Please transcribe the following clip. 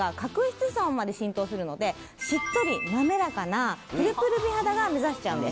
しっとりなめらかなプルプル美肌が目指せちゃうんです